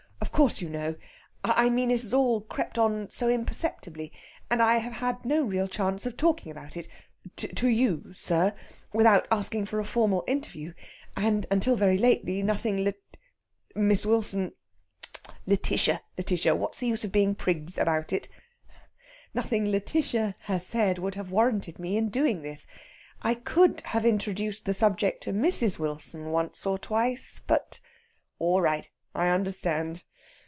Of course you know. I mean it has all crept on so imperceptibly. And I have had no real chance of talking about it to you, sir without asking for a formal interview. And until very lately nothing Læt Miss Wilson...." "Tut tut! Lætitia Lætitia. What's the use of being prigs about it?" "Nothing Lætitia has said would have warranted me in doing this. I could have introduced the subject to Mrs. Wilson once or twice, but...." "All right. I understand.